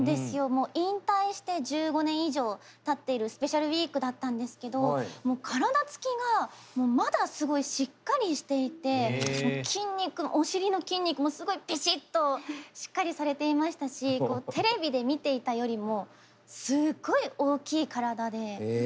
もう引退して１５年以上たっているスペシャルウィークだったんですけどもう体つきがもうまだすごいしっかりしていてもう筋肉お尻の筋肉もすごいビシッとしっかりされていましたしこうテレビで見ていたよりもすごい大きい体で大迫力でした。